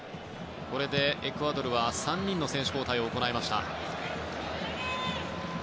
これでエクアドルは３人の選手交代を行いました。